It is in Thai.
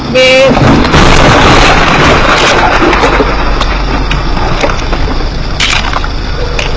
ท่านประโยชน์แห่งแต่งจุดของโจรสรองครองของพวกมัน